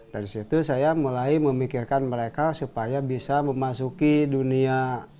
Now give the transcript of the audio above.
dari situ saya mulai memikirkan mereka supaya bisa memasuki dunia